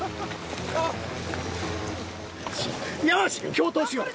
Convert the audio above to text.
共闘しよう。